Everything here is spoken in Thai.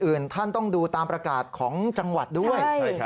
อื่นท่านต้องดูตามประกาศของจังหวัดด้วย